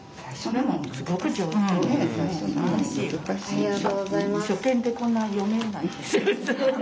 ありがとうございます。